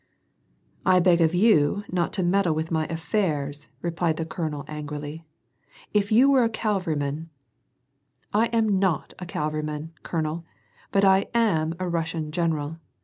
" I beg of you not to meddle with my affairs," replied the colonel, angrily, "If you were a cavalryman "—" I am not a cavalryman, colonel, but I am a Russian general.